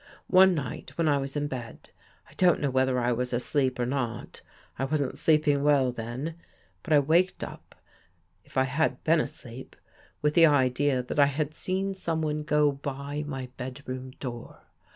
One night when I was in bed — I don't know whether I was asleep or not — I wasn't sleeping well then, but I waked up, if I had been asleep, with the idea that I had seen someone go by my bedroom door.